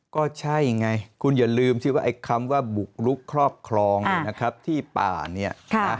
ก็ใช่ไงคุณอย่าลืมสิว่าไอ้คำว่าบุกลุกครอบครองเนี่ยนะครับที่ป่าเนี่ยนะ